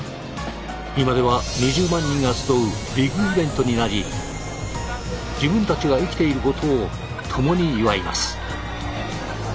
今では２０万人が集うビッグイベントになり自分たちが生きていることを共に祝います。